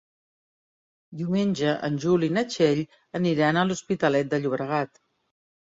Diumenge en Juli i na Txell aniran a l'Hospitalet de Llobregat.